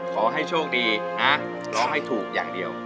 ขอให้โชคดีนะร้องให้ถูกอย่างเดียว